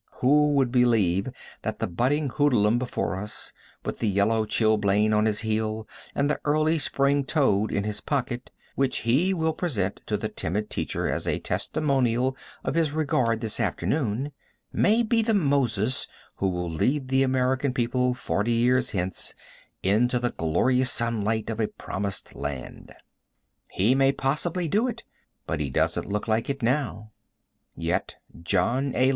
Who would believe that the budding hoodlum before us, with the yellow chilblain on his heel and the early spring toad in his pocket, which he will present to the timid teacher as a testimonial of his regard this afternoon, may be the Moses who will lead the American people forty years hence into the glorious sunlight of a promised land. He may possibly do it, but he doesn't look like it now. Yet John A.